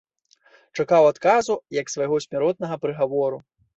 Чакаў адказу як свайго смяротнага прыгавору.